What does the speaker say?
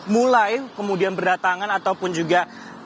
mulai kemudian berdatangan ataupun juga